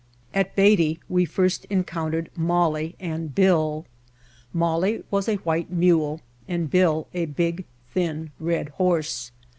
At Beatty we first encountered Molly and Bill. Molly was a white mule and Bill a big, thin, red horse.